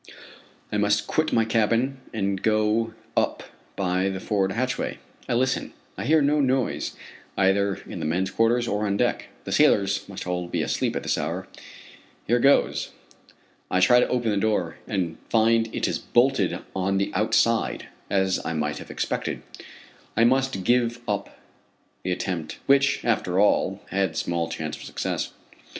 I must quit my cabin and go up by the forward hatchway. I listen. I hear no noise, either in the men's quarters, or on deck. The sailors must all be asleep at this hour. Here goes. I try to open the door, and find it is bolted on the outside, as I might have expected. I must give up the attempt, which, after all, had small chance of success.